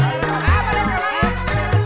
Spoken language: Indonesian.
aduh aduh aduh